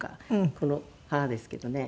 この母ですけどね。